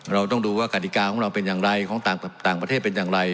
เราต้องดูว่ากฎิกาของเราเป็นอย่างไรของต่างประเทศเป็นอย่างไร